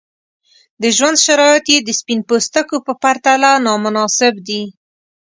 د ژوند شرایط یې د سپین پوستکو په پرتله نامناسب دي.